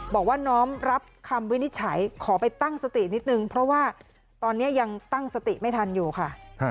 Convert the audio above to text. บอกว่าน้อมรับคำวินิจฉัยขอไปตั้งสตินิดนึงเพราะว่าตอนนี้ยังตั้งสติไม่ทันอยู่ค่ะ